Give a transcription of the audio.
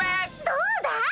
どうだい？